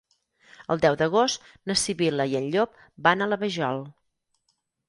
El deu d'agost na Sibil·la i en Llop van a la Vajol.